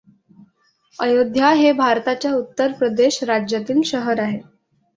अयोध्या हे भारताच्या उत्तर प्रदेश राज्यातील शहर आहे.